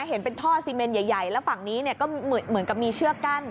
เห็นเป็นท่อซีเมนใหญ่แล้วฝั่งนี้ก็เหมือนกับมีเชือกกั้น